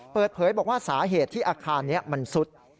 เปิดเผยบอกว่าสาเหตุที่อาคารนี้มันซุด